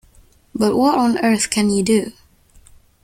But what on earth can you do?